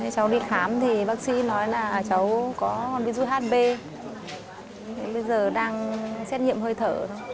cháu đi khám thì bác sĩ nói là cháu có virus hp bây giờ đang xét nghiệm hơi thở